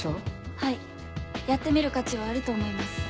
はいやってみる価値はあると思います。